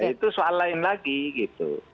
itu soal lain lagi gitu